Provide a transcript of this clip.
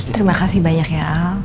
terima kasih banyak ya